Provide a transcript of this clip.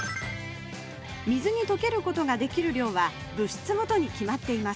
水に溶けることができる量は物質ごとに決まっています。